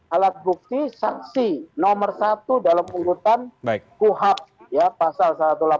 alat bukti saksi nomor satu dalam urutan kuhap pasal satu ratus delapan puluh